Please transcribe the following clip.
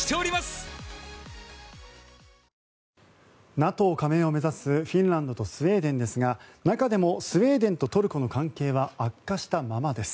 ＮＡＴＯ加盟を目指すフィンランドとスウェーデンですが中でもスウェーデンとトルコの関係は悪化したままです。